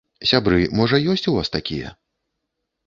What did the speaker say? Сябры, можа ёсць у вас такія?